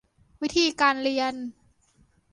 วิธีการเรียน